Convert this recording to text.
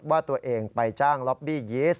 ว่าตัวเองไปจ้างล็อบบี้ยีสต